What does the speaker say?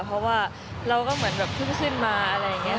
เพราะว่าเราก็เหมือนแบบเพิ่งขึ้นมาอะไรอย่างนี้